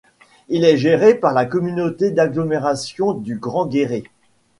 Il est géré par la Communauté d'agglomération du Grand Guéret.